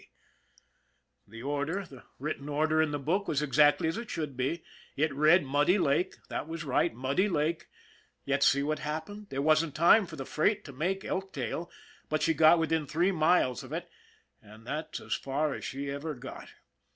K. The order, the written order in the book, was exactly as it should be. It read Muddy Lake that was right, Muddy Lake. You see what happened? There wasn't time for the freight to make Elktail, but she got within three miles of it and that's as far as she ever got!